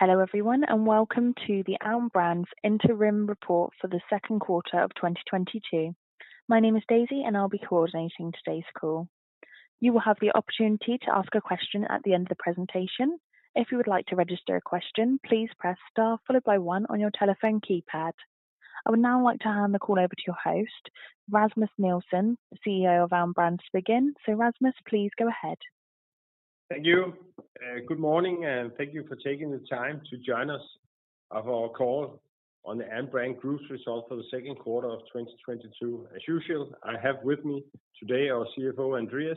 Hello, everyone, and welcome to the Alm. Brand's Interim Report for the Second Quarter of 2022. My name is Daisy, and I'll be coordinating today's call. You will have the opportunity to ask a question at the end of the presentation. If you would like to register a question, please press star followed by one on your telephone keypad. I would now like to hand the call over to your host, Rasmus Nielsen, CEO of Alm. Brand, to begin. Rasmus, please go ahead. Thank you. Good morning, and thank you for taking the time to join us on our call on the Alm. Brand Group's Results for the Second Quarter of 2022. As usual, I have with me today our CFO, Andreas,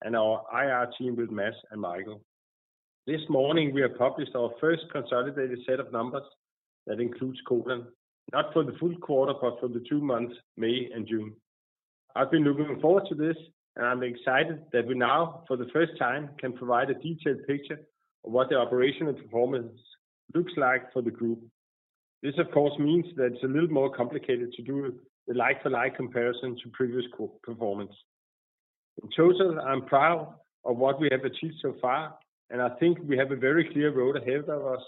and our IR team with Mads and Michael. This morning, we have published our first consolidated set of numbers that includes Codan, not for the full quarter, but for the two months, May and June. I've been looking forward to this, and I'm excited that we now, for the first time, can provide a detailed picture of what the operational performance looks like for the group. This, of course, means that it's a little more complicated to do the like-for-like comparison to previous quarter performance. In total, I'm proud of what we have achieved so far, and I think we have a very clear road ahead of us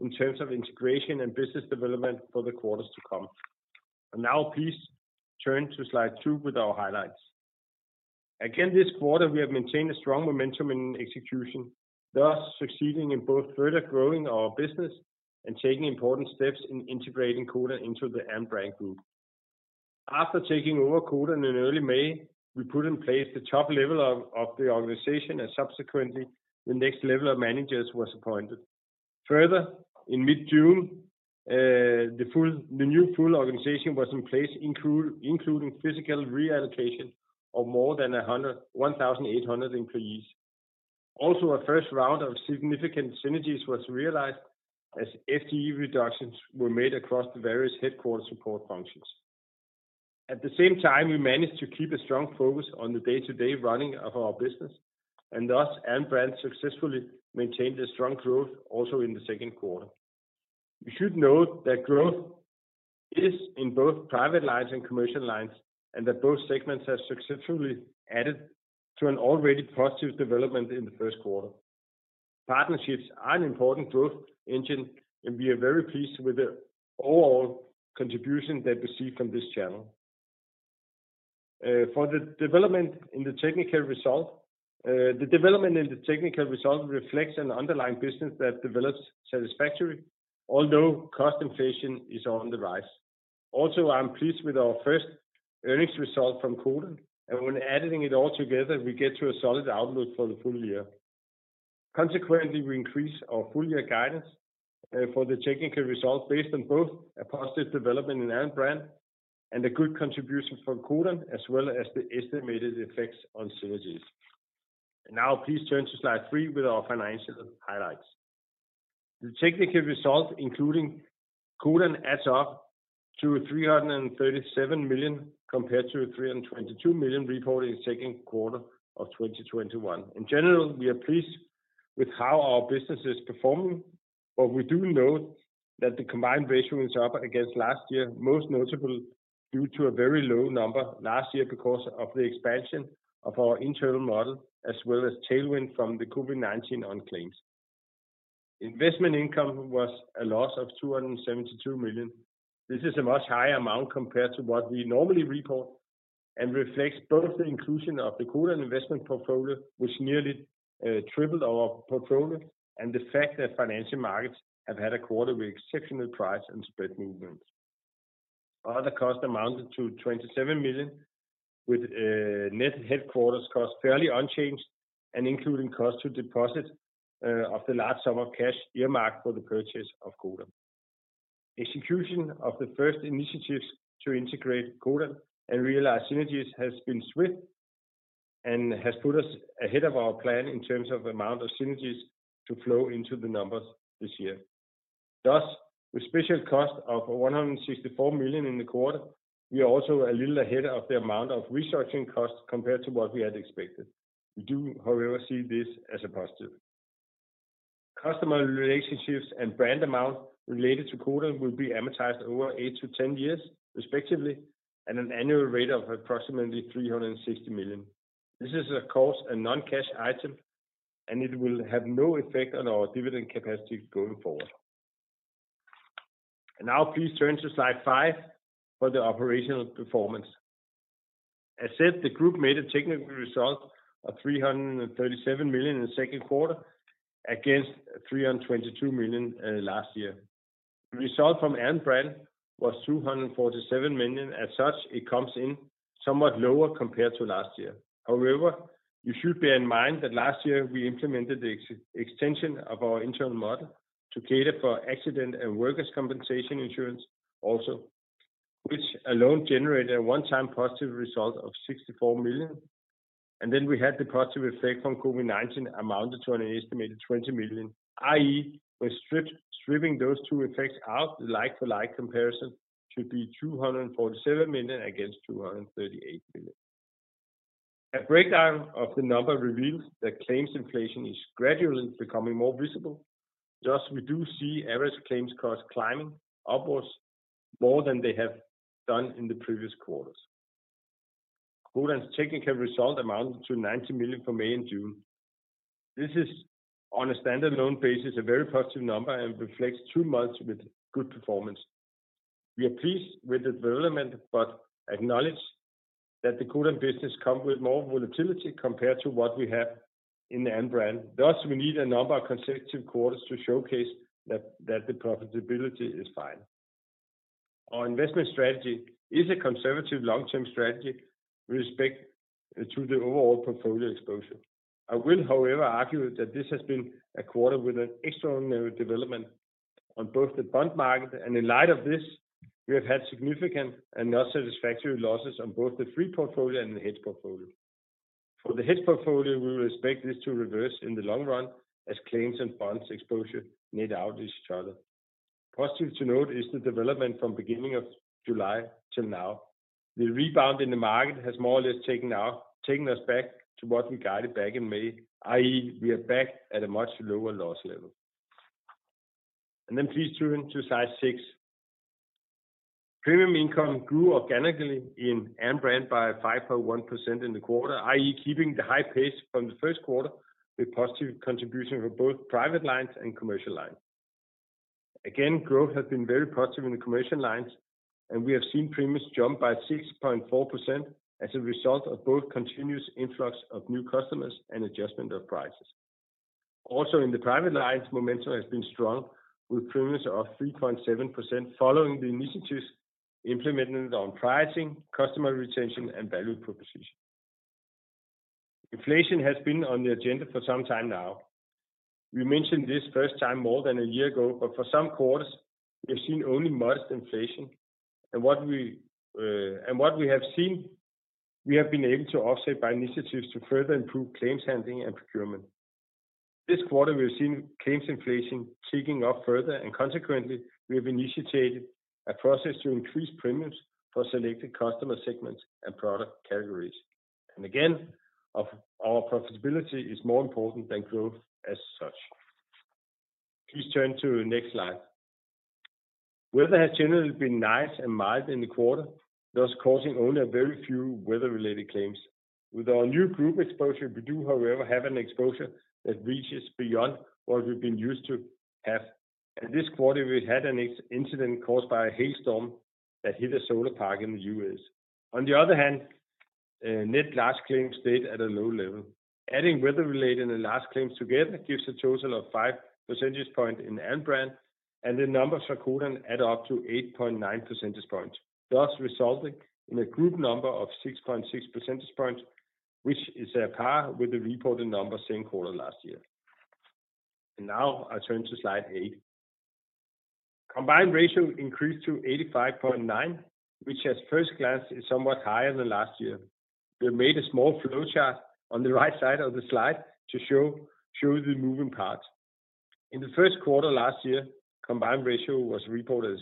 in terms of integration and business development for the quarters to come. Now please turn to slide two with our highlights. Again, this quarter we have maintained a strong momentum in execution, thus succeeding in both further growing our business and taking important steps in integrating Codan into the Alm. Brand Group. After taking over Codan in early May, we put in place the top level of the organization and subsequently the next level of managers was appointed. Further, in mid-June, the new full organization was in place, including physical reallocation of more than 1,800 employees. Also, our first round of significant synergies was realized as FTE reductions were made across the various headquarters support functions. At the same time, we managed to keep a strong focus on the day-to-day running of our business and thus, Alm. Brand successfully maintained a strong growth also in the second quarter. You should note that growth is in both Private lines and Commercial lines, and that both segments have successfully added to an already positive development in the first quarter. Partnerships are an important growth engine, and we are very pleased with the overall contribution that we see from this channel. For the development in the technical result, the development in the technical result reflects an underlying business that develops satisfactory, although cost inflation is on the rise. Also, I'm pleased with our first earnings result from Codan, and when adding it all together, we get to a solid outlook for the full year. Consequently, we increase our full year guidance for the technical result based on both a positive development in Alm. Brand and a good contribution from Codan, as well as the estimated effects on synergies. Now please turn to slide three with our financial highlights. The technical result, including Codan, adds up to 337 million compared to 322 million reported in second quarter of 2021. In general, we are pleased with how our business is performing, but we do note that the combined ratio is up against last year, most notable due to a very low number last year because of the expansion of our internal model, as well as tailwind from the COVID-19 on claims. Investment income was a loss of 272 million. This is a much higher amount compared to what we normally report and reflects both the inclusion of the Codan investment portfolio, which nearly tripled our portfolio, and the fact that financial markets have had a quarter with exceptional price and spread movements. Other costs amounted to 27 million, with net headquarters costs fairly unchanged and including cost to deposit of the large sum of cash earmarked for the purchase of Codan. Execution of the first initiatives to integrate Codan and realize synergies has been swift and has put us ahead of our plan in terms of amount of synergies to flow into the numbers this year. Thus, with special cost of 164 million in the quarter, we are also a little ahead of the amount of resourcing costs compared to what we had expected. We do, however, see this as a positive. Customer relationships and brand amount related to Codan will be amortized over eight to ten years, respectively, at an annual rate of approximately 360 million. This is of course a non-cash item, and it will have no effect on our dividend capacity going forward. Now please turn to slide five for the operational performance. As said, the group made a technical result of 337 million in the second quarter against 322 million last year. The result from Alm. Brand was 247 million. As such, it comes in somewhat lower compared to last year. However, you should bear in mind that last year we implemented the extension of our internal model to cater for accident and workers' compensation insurance also, which alone generated a one-time positive result of 64 million. We had the positive effect from COVID-19 amounted to an estimated 20 million, i.e., when stripping those two effects out, the like-for-like comparison should be 247 million against 238 million. A breakdown of the number reveals that claims inflation is gradually becoming more visible, thus we do see average claims costs climbing upwards more than they have done in the previous quarters. Codan's technical result amounted to 90 million for May and June. This is on a stand-alone basis, a very positive number and reflects two months with good performance. We are pleased with the development, but acknowledge that the Codan business come with more volatility compared to what we have in the Alm. Brand. Thus, we need a number of consecutive quarters to showcase that the profitability is fine. Our investment strategy is a conservative long-term strategy with respect to the overall portfolio exposure. I will, however, argue that this has been a quarter with an extraordinary development on both the bond market, and in light of this, we have had significant and not satisfactory losses on both the free portfolio and the hedge portfolio. For the hedge portfolio, we will expect this to reverse in the long run as claims and bonds exposure net out each other. Positive to note is the development from beginning of July till now. The rebound in the market has more or less taken us back to what we guided back in May, i.e., we are back at a much lower loss level. Please turn to slide six. Premium income grew organically in Alm. Brand by 5.1% in the quarter, i.e., keeping the high pace from the first quarter with positive contribution from both private lines and commercial lines. Again, growth has been very positive in the commercial lines, and we have seen premiums jump by 6.4% as a result of both continuous influx of new customers and adjustment of prices. Also in the private lines, momentum has been strong with premiums of 3.7% following the initiatives implemented on pricing, customer retention, and value proposition. Inflation has been on the agenda for some time now. We mentioned this the first time more than a year ago, but for some quarters we have seen only modest inflation. What we have seen, we have been able to offset by initiatives to further improve claims handling and procurement. This quarter we have seen claims inflation ticking up further, and consequently, we have initiated a process to increase premiums for selected customer segments and product categories. Again, our profitability is more important than growth as such. Please turn to the next slide. Weather has generally been nice and mild in the quarter, thus causing only a very few weather-related claims. With our new group exposure, we do, however, have an exposure that reaches beyond what we've been used to have. In this quarter, we had an incident caused by a hailstorm that hit a solar park in the U.S. On the other hand, net large claims stayed at a low level. Adding weather-related and large claims together gives a total of 5 percentage points in Alm. Brand, and the numbers for Codan add up to 8.9 percentage points, thus resulting in a group number of 6.6 percentage points, which is on par with the reported numbers same quarter last year. Now I turn to slide eight. Combined ratio increased to 85.9, which at first glance is somewhat higher than last year. We have made a small flowchart on the right side of the slide to show the moving parts. In the first quarter last year, combined ratio was reported as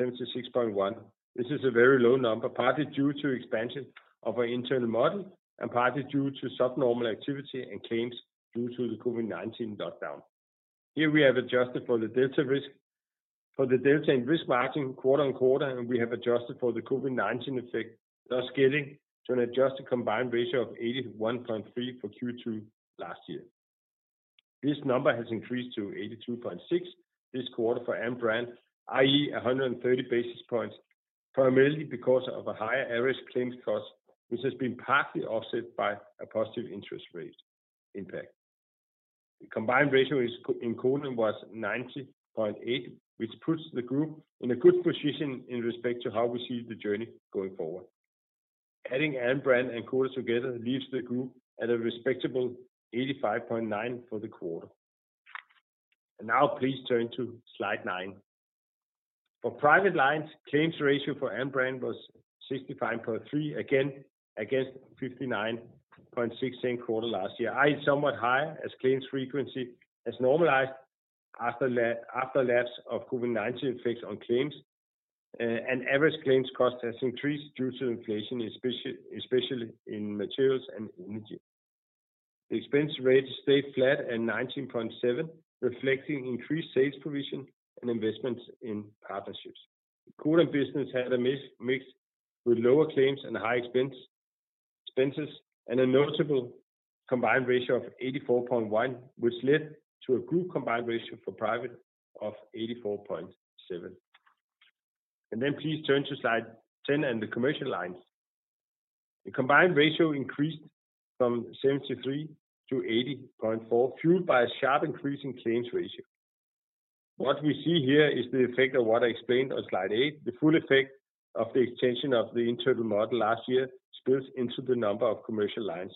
76.1. This is a very low number, partly due to expansion of our internal model and partly due to subnormal activity and claims due to the COVID-19 lockdown. Here we have adjusted for the delta risk, for the delta in risk margin quarter-on-quarter, and we have adjusted for the COVID-19 effect, thus getting to an adjusted combined ratio of 81.3 for Q2 last year. This number has increased to 82.6 this quarter for Alm. Brand, i.e., 130 basis points, primarily because of a higher average claims cost, which has been partly offset by a positive interest rate impact. The combined ratio in Codan was 90.8, which puts the group in a good position in respect to how we see the journey going forward. Adding Alm. Brand and Codan together leaves the group at a respectable 85.9 for the quarter. Now please turn to slide nine. For private lines, claims ratio for Alm. Brand was 65.3% against 59.6% same quarter last year, i.e., somewhat high as claims frequency has normalized after lapse of COVID-19 effects on claims, and average claims cost has increased due to inflation, especially in materials and energy. The expense ratio stayed flat at 19.7%, reflecting increased sales provision and investments in partnerships. Codan business had a mismatch with lower claims and high expenses, and a notable combined ratio of 84.1%, which led to a group combined ratio for private of 84.7%. Please turn to slide ten and the commercial lines. The combined ratio increased from 73% to 80.4%, fueled by a sharp increase in claims ratio. What we see here is the effect of what I explained on slide eight. The full effect of the extension of the internal model last year spills into the number of commercial lines.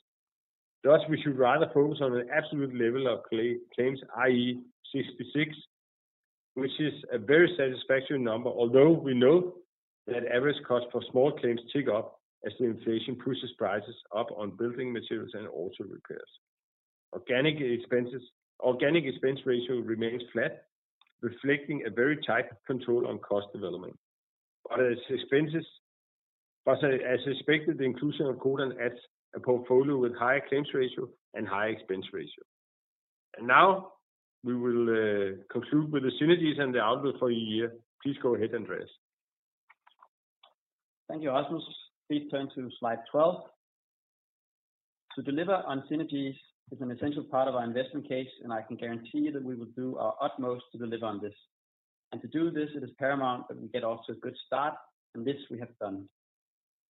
Thus, we should rather focus on the absolute level of claims, i.e., 66%, which is a very satisfactory number, although we know that average cost for small claims tick up as the inflation pushes prices up on building materials and auto repairs. Organic expense ratio remains flat, reflecting a very tight control on cost development. As expected, the inclusion of Codan adds a portfolio with higher claims ratio and higher expense ratio. Now we will conclude with the synergies and the outlook for the year. Please go ahead, Andreas. Thank you, Rasmus. Please turn to slide 12. To deliver on synergies is an essential part of our investment case, and I can guarantee you that we will do our utmost to deliver on this. To do this, it is paramount that we get off to a good start, and this we have done.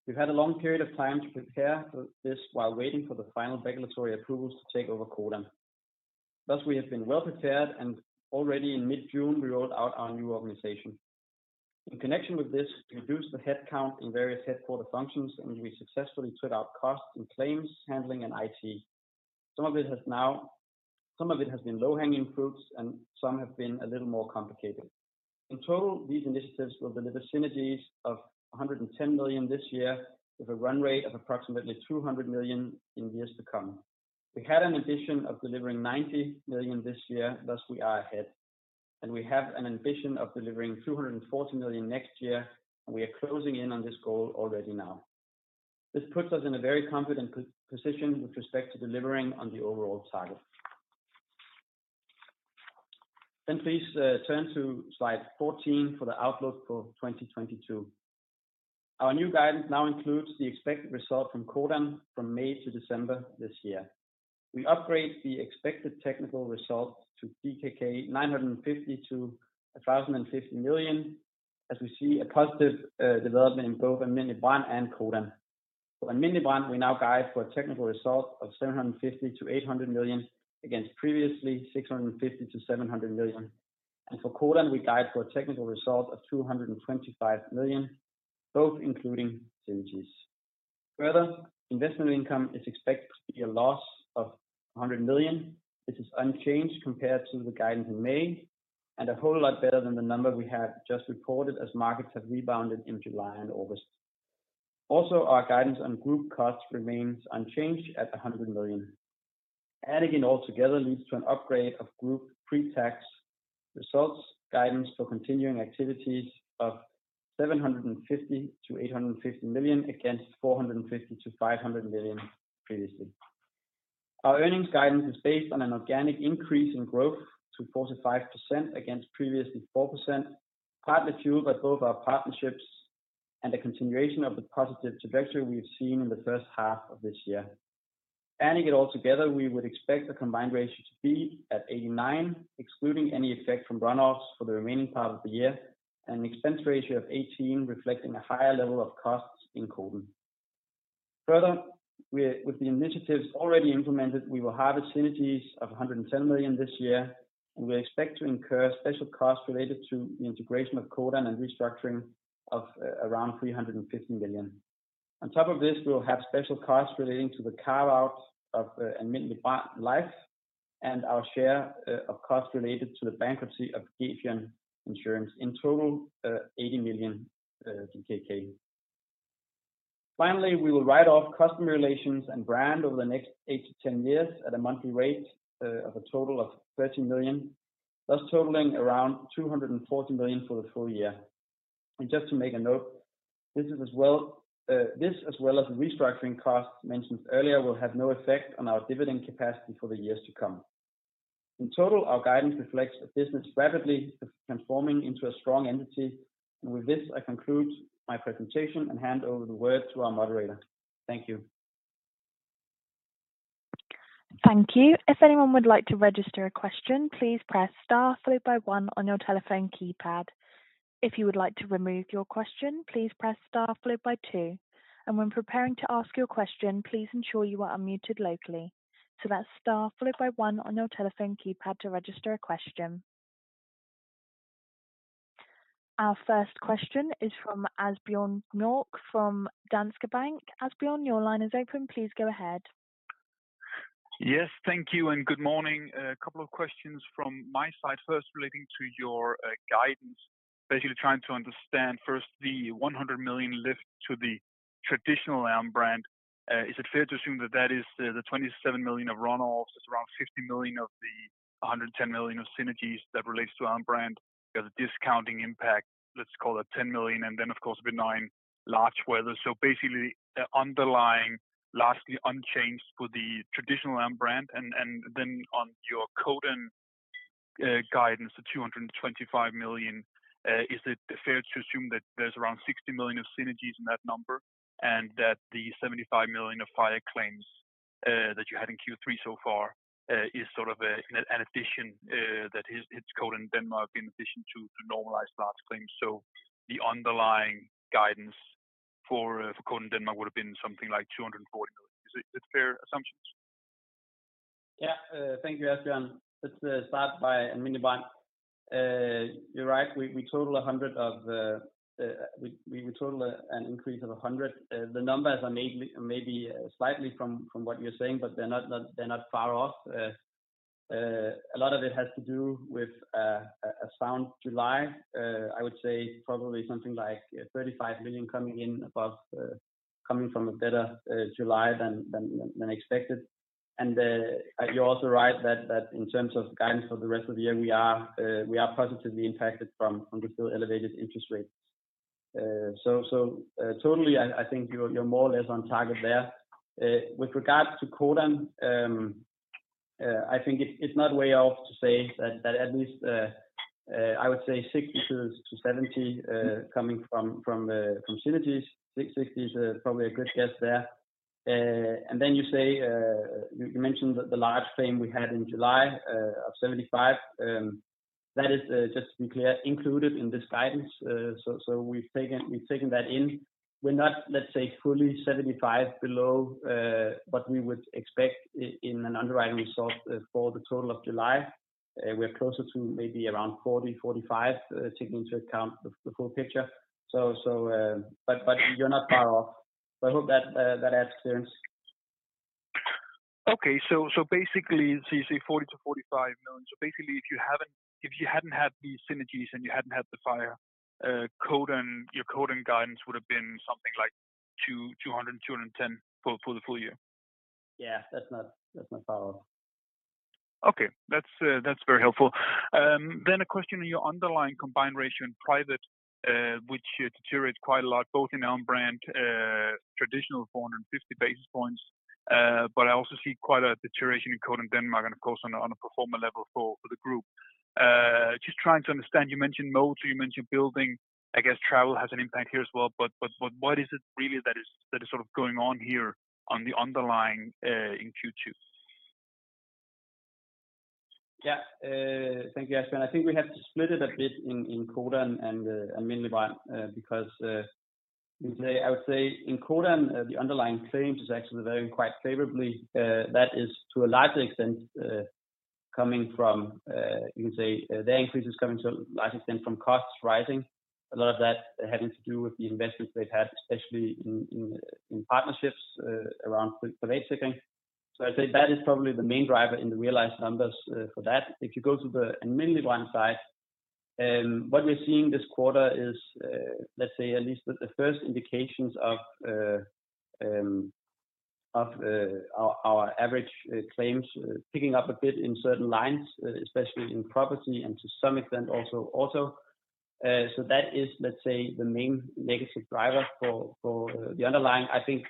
We've had a long period of time to prepare for this while waiting for the final regulatory approvals to take over Codan. Thus, we have been well prepared and already in mid-June we rolled out our new organization. In connection with this, we reduced the headcount in various headquarter functions, and we successfully took out costs in claims handling and IT. Some of it has been low-hanging fruits, and some have been a little more complicated. In total, these initiatives will deliver synergies of 110 million this year with a run rate of approximately 200 million in years to come. We had an ambition of delivering 90 million this year, thus we are ahead. We have an ambition of delivering 240 million next year. We are closing in on this goal already now. This puts us in a very confident position with respect to delivering on the overall target. Please turn to slide 14 for the outlook for 2022. Our new guidance now includes the expected result from Codan from May to December this year. We upgrade the expected technical results to 950 million-1,050 million, as we see a positive development in both Alm. Brand and Codan. For Alm. Brand, we now guide for a technical result of 750 million-800 million against previously 650 million-700 million. For Codan we guide for a technical result of 225 million, both including synergies. Further, investment income is expected to be a loss of 100 million. This is unchanged compared to the guidance in May, and a whole lot better than the number we had just reported as markets have rebounded in July and August. Also, our guidance on group costs remains unchanged at 100 million. Adding it all together leads to an upgrade of group pretax results guidance for continuing activities of 750 million-850 million against 450 million-500 million previously. Our earnings guidance is based on an organic increase in growth to 45% against previously 4%, partly fueled by both our partnerships and the continuation of the positive trajectory we have seen in the first half of this year. Adding it all together, we would expect the combined ratio to be at 89, excluding any effect from runoffs for the remaining part of the year, and an expense ratio of 18 reflecting a higher level of costs in Codan. Further, with the initiatives already implemented, we will harvest synergies of 110 million this year, and we expect to incur special costs related to the integration of Codan and restructuring of around 350 million. On top of this, we will have special costs relating to the carve-out of Alm. Brand Liv og Pension and our share of costs related to the bankruptcy of Gefion Insurance. In total, 80 million DKK. Finally, we will write off customer relations and brand over the next eight to 10 years at a monthly rate of a total of 13 million, thus totaling around 240 million for the full year. Just to make a note, this as well as the restructuring costs mentioned earlier will have no effect on our dividend capacity for the years to come. In total, our guidance reflects a business rapidly transforming into a strong entity. With this, I conclude my presentation and hand over the word to our moderator. Thank you. Thank you. If anyone would like to register a question, please press star followed by one on your telephone keypad. If you would like to remove your question, please press star followed by two. When preparing to ask your question, please ensure you are unmuted locally. That's star followed by one on your telephone keypad to register a question. Our first question is from Asbjørn Mørk from Danske Bank. Asbjørn, your line is open. Please go ahead. Yes, thank you and good morning. A couple of questions from my side. First, relating to your guidance. Basically trying to understand first the 100 million lift to the traditional Alm. Brand. Is it fair to assume that that is the 27 million of runoffs, it's around 60 million of the 110 million of synergies that relates to Alm. Brand. You have the discounting impact, let's call it 10 million, and then of course benign large weather. Basically underlying largely unchanged for the traditional Alm. Brand. On your Codan guidance, the 225 million, is it fair to assume that there's around 60 million of synergies in that number and that the 75 million of fire claims that you had in Q3 so far is sort of an addition that hits Codan Denmark in addition to normalized large claims? The underlying guidance for Codan Denmark would have been something like 240 million. Is it fair assumptions? Yeah. Thank you, Asbjørn. Let's start by Alm. Brand. You're right, we total an increase of 100 million. The numbers are maybe slightly different from what you're saying, but they're not far off. A lot of it has to do with a strong July. I would say probably something like 35 million coming in above, coming from a better July than expected. You're also right that in terms of guidance for the rest of the year, we are positively impacted by the still elevated interest rates. Totally, I think you're more or less on target there. With regards to Codan, I think it's not way off to say that at least I would say 60 million-70 million coming from synergies. 60 is probably a good guess there. Then you say you mentioned the large claim we had in July of 75 million. That is just to be clear included in this guidance. We've taken that in. We're not, let's say, fully 75 million below what we would expect in an underwriting result for the total of July. We're closer to maybe around 40 million-45 million taking into account the full picture. You're not far off. I hope that adds clarity. Basically you say 40 million-45 million. Basically if you hadn't had these synergies and you hadn't had the fire, Codan, your Codan guidance would have been something like 200 million-210 million for the full year. Yeah. That's not far off. Okay. That's very helpful. A question on your underlying combined ratio in private, which deteriorates quite a lot, both in own brand, traditional 450 basis points. I also see quite a deterioration in Codan Denmark and of course on a pro forma level for the group. Just trying to understand, you mentioned motor, so you mentioned building. I guess travel has an impact here as well, but what is it really that is sort of going on here on the underlying in Q2? Yeah. Thank you, Asbjørn. I think we have to split it a bit in Codan and Alm. Brand, because you can say I would say in Codan the underlying claims is actually varying quite favorably. That is to a large extent coming from you can say the increase is coming to a large extent from costs rising. A lot of that having to do with the investments they've had, especially in partnerships around claims picking. So I'd say that is probably the main driver in the realized numbers for that. If you go to the non-life side, what we're seeing this quarter is, let's say at least the first indications of our average claims picking up a bit in certain lines, especially in property and to some extent also auto. That is, let's say, the main negative driver for the underlying. I think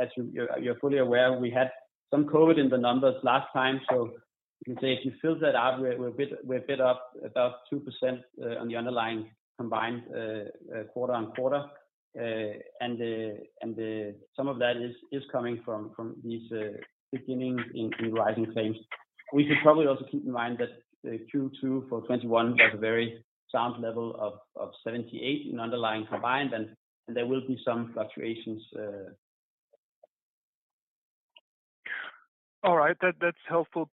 as you're fully aware, we had some COVID in the numbers last time. You can say if you fill that out, we're a bit up about 2% on the underlying combined quarter-on-quarter. Some of that is coming from these beginning in rising claims. We should probably also keep in mind that Q2 for 2021 had a very sound level of 78% underlying combined, and there will be some fluctuations. All right. That's helpful.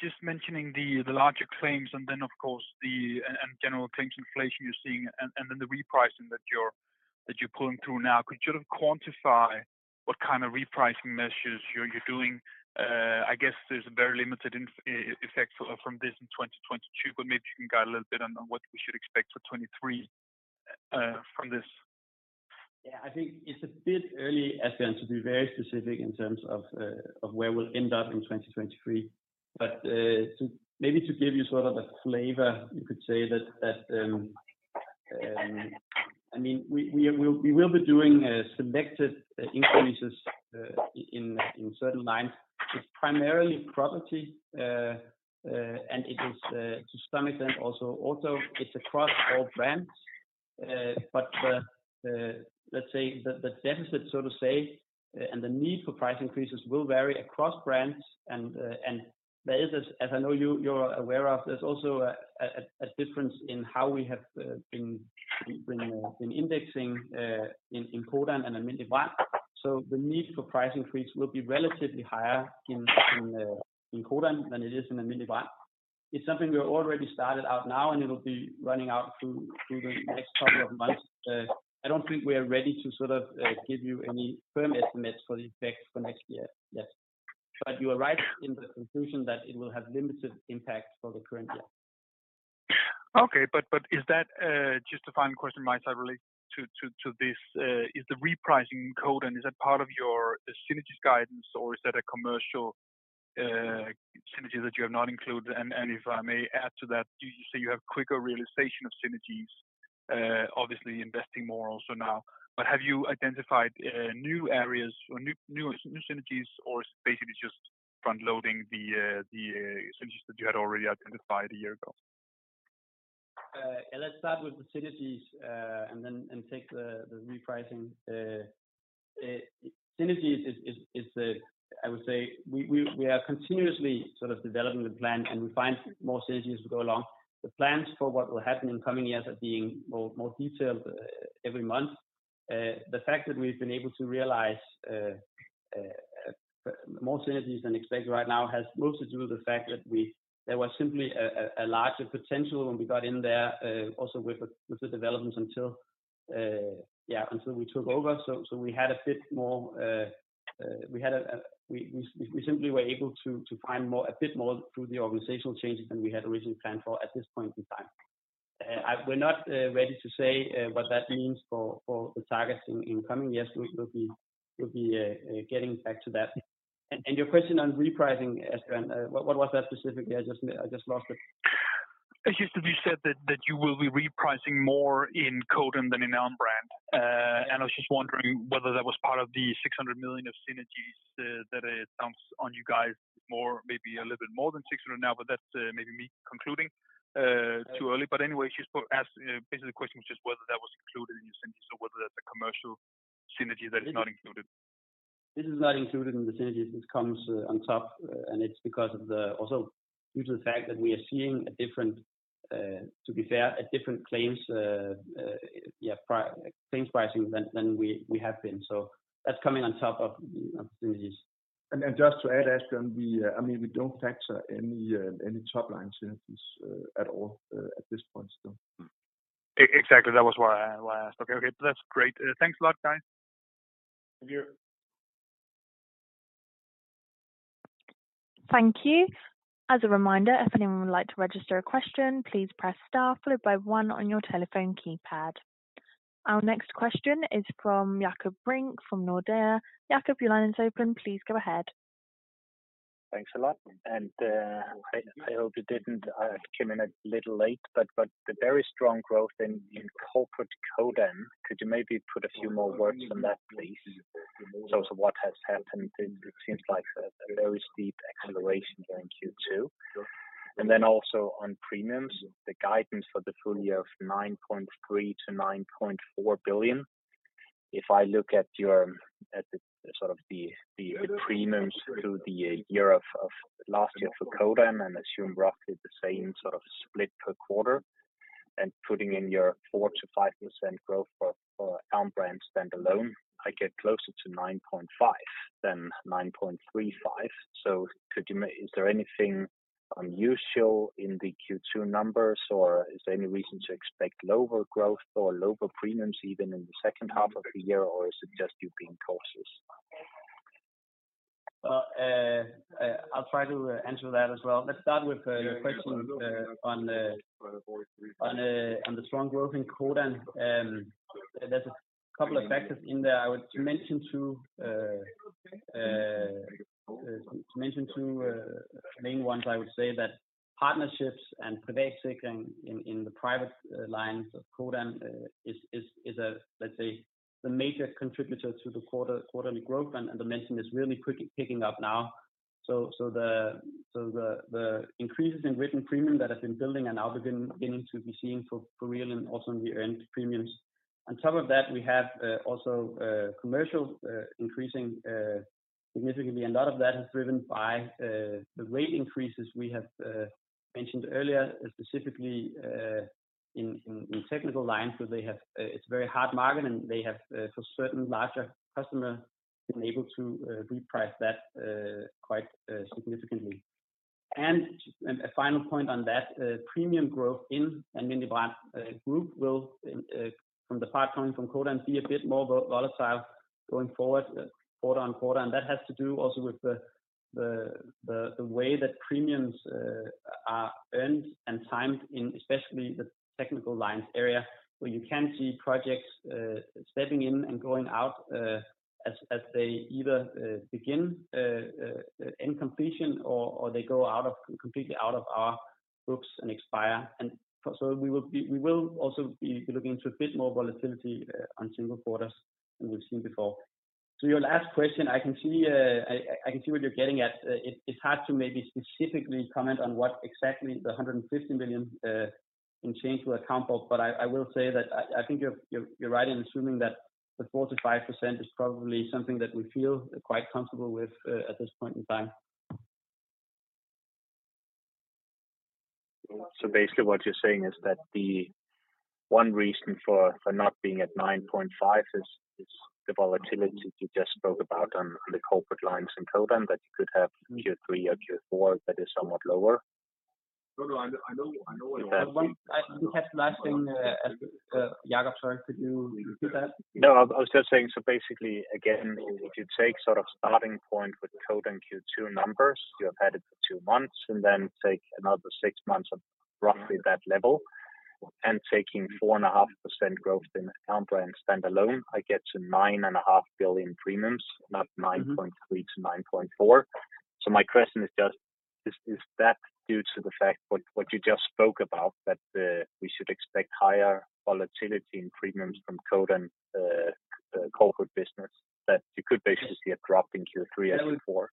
Just mentioning the larger claims and then of course and general claims inflation you're seeing and then the repricing that you're pulling through now. Could you sort of quantify what kind of repricing measures you're doing? I guess there's a very limited effect from this in 2022, but maybe you can guide a little bit on what we should expect for 2023 from this. Yeah. I think it's a bit early, Asbjørn, to be very specific in terms of where we'll end up in 2023. Maybe to give you sort of a flavor, you could say that I mean, we will be doing selective increases in certain lines. It's primarily property and it is to some extent also auto. It's across all brands. The let's say the deficit, so to say, and the need for price increases will vary across brands. There is this, as I know you're aware of, there's also a difference in how we have been indexing in Codan and Alm. Brand. The need for price increase will be relatively higher in Codan than it is in Alm. Brand. It's something we already started now, and it'll be rolling out through the next couple of months. I don't think we are ready to give you any firm estimates for the effect for next year yet. You are right in the conclusion that it will have limited impact for the current year. Okay. Is that just a final question on my side related to this? Is the repricing in Codan part of your the synergies guidance or is that a commercial synergy that you have not included? If I may add to that, you say you have quicker realization of synergies, obviously investing more also now. Have you identified new areas or new synergies or is it basically just front loading the synergies that you had already identified a year ago? Let's start with the synergies and then take the repricing. Synergies is the, I would say we are continuously sort of developing the plan, and we find more synergies as we go along. The plans for what will happen in coming years are being more detailed every month. The fact that we've been able to realize more synergies than expected right now has mostly to do with the fact that there was simply a larger potential when we got in there, also with the developments until yeah, until we took over. We had a bit more through the organizational changes than we had originally planned for at this point in time. We simply were able to find more, a bit more. We're not ready to say what that means for the targets in coming years. We'll be getting back to that. Your question on repricing, Asbjørn, what was that specifically? I just lost it. I just, you said that you will be repricing more in Codan than in own brand. I was just wondering whether that was part of the 600 million of synergies that it sounds like you guys more, maybe a little bit more than 600 now, but that's maybe me concluding too early. Anyway, just to ask, basically the question was just whether that was included in your synergies or whether that's a commercial synergy that is not included. This is not included in the synergies. This comes on top, and it's because of also due to the fact that we are seeing a different, to be fair, a different claims pricing than we have been. That's coming on top of the synergies. Just to add, Asbjørn, we, I mean, we don't factor any top-line synergies at all, at this point in time. Exactly. That was why I asked. Okay. That's great. Thanks a lot, guys. Thank you. Thank you. As a reminder, if anyone would like to register a question, please press star followed by one on your telephone keypad. Our next question is from Jakob Brink from Nordea. Jakob, your line is open. Please go ahead. Thanks a lot. I hope you didn't. I came in a little late, but the very strong growth in corporate Codan, could you maybe put a few more words on that, please? What has happened? It seems like a very steep acceleration during Q2. Then also on premiums, the guidance for the full year of 9.3 billion-9.4 billion. If I look at the premiums through the year of last year for Codan and assume roughly the same sort of split per quarter and putting in your 4%-5% growth for own brand standalone, I get closer to 9.5 billion than 9.35 billion. Is there anything unusual in the Q2 numbers, or is there any reason to expect lower growth or lower premiums even in the second half of the year, or is it just you being cautious? I'll try to answer that as well. Let's start with your question on the strong growth in Codan. There's a couple of factors in there. I would mention two main ones. I would say that partnerships and Privatsikring in the private lines of Codan is a, let's say, the major contributor to the quarterly growth. The momentum is really quickly picking up now. The increases in written premium that have been building and now beginning to be seen for real and also in the earned premiums. On top of that, we have also commercial lines increasing significantly. A lot of that is driven by the rate increases we have mentioned earlier, specifically in technical lines, where they have it's a very hard market, and they have for certain larger customer been able to reprice that quite significantly. A final point on that, premium growth in Alm. Brand Group will from the part coming from Codan be a bit more volatile going forward quarter-on-quarter. That has to do also with the way that premiums are earned and timed in especially the technical lines area where you can see projects stepping in and going out as they either begin or completion or they go out completely out of our group and expire. We will also be looking into a bit more volatility on single quarters than we've seen before. To your last question, I can see what you're getting at. It's hard to maybe specifically comment on what exactly the 150 million in change will account for. I will say that I think you're right in assuming that the 4%-5% is probably something that we feel quite comfortable with at this point in time. Basically what you're saying is that the one reason for not being at 9.5 billion is the volatility you just spoke about on the commercial lines in Codan, that you could have Q3 or Q4 that is somewhat lower. No, I know what you're asking. You have the last thing, Jakob. Sorry, could you repeat that? No, I was just saying, basically again, if you take sort of starting point with Codan Q2 numbers, you have had it for two months, and then take another six months of roughly that level, and taking 4.5% growth in Alm. Brand standalone, I get to 9.5 billion premiums, not 9.3 billion-9.4 billion. My question is just, is that due to the fact what you just spoke about, that we should expect higher volatility in premiums from Codan corporate business, that you could basically see a drop in Q3 and Q4?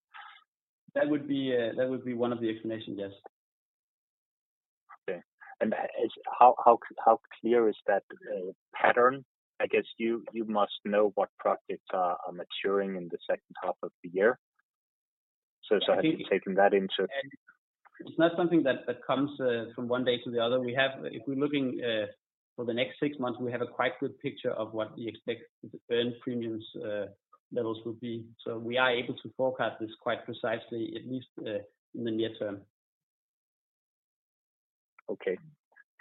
That would be one of the explanations, yes. Okay. As to how clear is that pattern? I guess you must know what profits are maturing in the second half of the year. Have you taken that into- It's not something that comes from one day to the other. We have, if we're looking for the next six months, we have a quite good picture of what we expect the earned premiums levels will be. We are able to forecast this quite precisely, at least in the near term. Okay.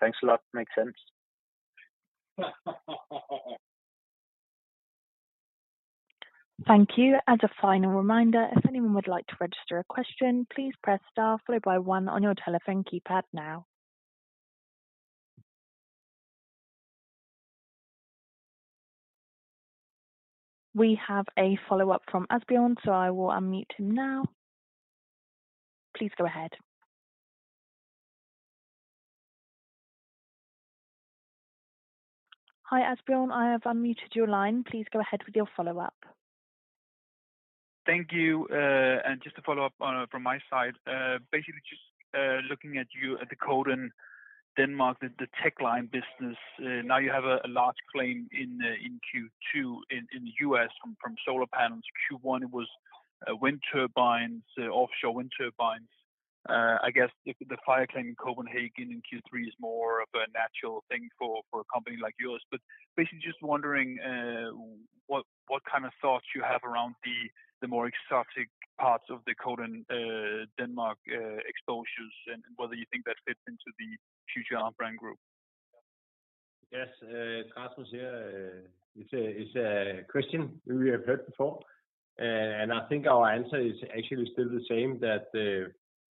Thanks a lot. Makes sense. Thank you. As a final reminder, if anyone would like to register a question, please press star followed by one on your telephone keypad now. We have a follow-up from Asbjørn, so I will unmute him now. Please go ahead. Hi, Asbjørn, I have unmuted your line. Please go ahead with your follow-up. Thank you. Just to follow up on it from my side, basically just looking at your Codan Denmark, the technical lines business. Now you have a large claim in Q2 in the U.S. from solar panels. Q1 it was wind turbines, offshore wind turbines. I guess if the fire claim in Copenhagen in Q3 is more of a natural thing for a company like yours. Basically just wondering what kind of thoughts you have around the more exotic parts of the Codan Denmark exposures, and whether you think that fits into the future Alm. Brand Group. Yes. Rasmus here. It's a question we have heard before. I think our answer is actually still the same, that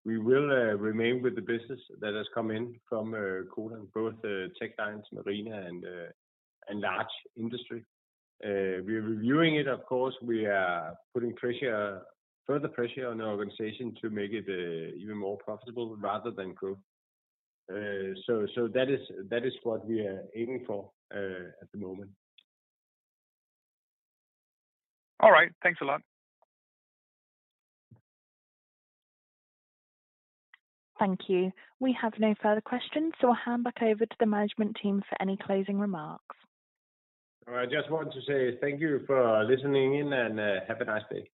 we will remain with the business that has come in from Codan, both Technical lines, Marine and large industry. We're reviewing it, of course. We are putting pressure, further pressure on the organization to make it even more profitable rather than grow. That is what we are aiming for at the moment. All right. Thanks a lot. Thank you. We have no further questions, so I'll hand back over to the management team for any closing remarks. I just want to say thank you for listening in and have a nice day.